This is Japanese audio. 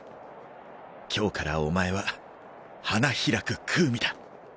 今日からお前は花開くクウミだ。